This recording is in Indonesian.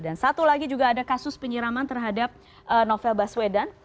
dan satu lagi juga ada kasus penyiraman terhadap novel baswedan